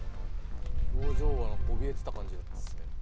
表情はおびえてた感じですね。